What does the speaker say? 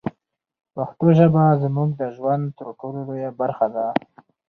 پښتو ژبه زموږ د ژوند تر ټولو لویه برخه ده.